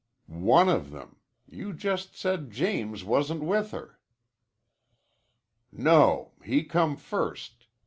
"One of them. You just said James wasn't with her." "No, he come first.